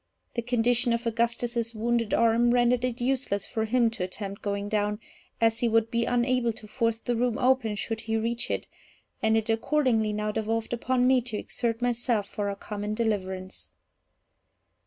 The condition of Augustus's wounded arm rendered it useless for him to attempt going down, as he would be unable to force the room open should he reach it, and it accordingly now devolved upon me to exert myself for our common deliverance.